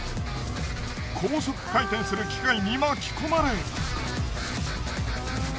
高速回転する機械に巻き込まれ。